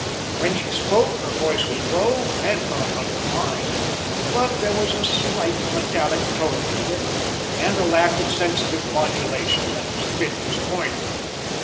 When she spoke her voice was low and not unrefined, but there was a slight metallic tone to it and a lack of sensitive modulation that was a bit disappointing.